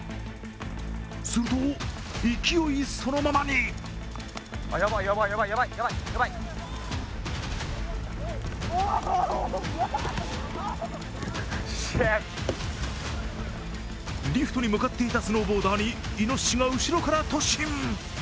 すると、勢いそのままにリフトに向かっていたスノーボーダーにイノシシが後ろから突進。